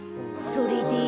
それで？